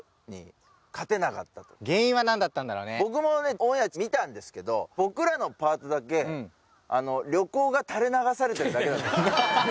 僕もオンエア見たんですけど僕らのパートだけ旅行が垂れ流されてるだけだったの。